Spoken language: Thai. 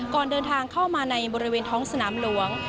ก่อนเดินทางเข้ามาในบริเวณท้องสนามหลวง